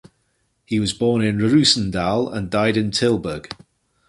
He was born in Roosendaal and died in Tilburg.